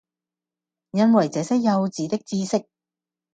因爲這些幼稚的知識，